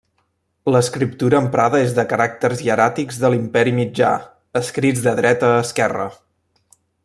L'escriptura emprada és de caràcters hieràtics de l'Imperi Mitjà escrits de dreta a esquerra.